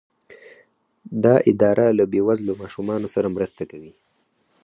دا اداره له بې وزلو ماشومانو سره مرسته کوي.